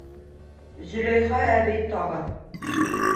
Зөләйха әбей тағы: